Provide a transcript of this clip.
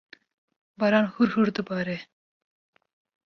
Baran hûrhûr dibare.